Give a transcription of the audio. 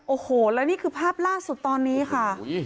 โอ้โหแล้วนี่คือภาพล่าสุดตอนนี้ค่ะ